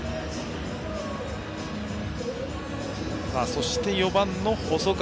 そして４番の細川。